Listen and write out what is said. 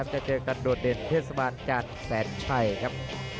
เจอกันโดดเด่นเทศบาลจานแสนชัยครับ